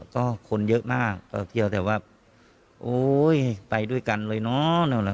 ก็คนเยอะมากก็เที่ยวแต่ว่าโอ๊ยไปด้วยกันเลยเนาะ